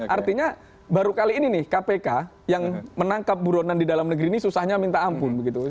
artinya baru kali ini nih kpk yang menangkap buronan di dalam negeri ini susahnya minta ampun begitu